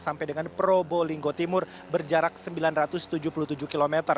sampai dengan probolinggo timur berjarak sembilan ratus tujuh puluh tujuh km